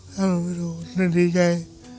แล้วเราไปดูดีใจ